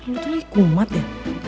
lu tuh lagi kumat ya